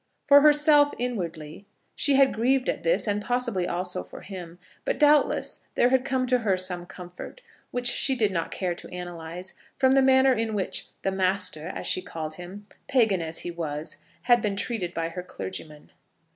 For herself inwardly she had grieved at this, and, possibly, also for him; but, doubtless, there had come to her some comfort, which she did not care to analyse, from the manner in which "the master," as she called him, Pagan as he was, had been treated by her clergyman.